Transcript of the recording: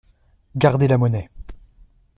Gardez la monnaie.